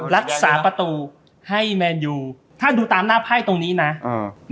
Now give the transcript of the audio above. รักษาประตูให้แมนยูถ้าดูตามหน้าไพ่ตรงนี้นะอ่า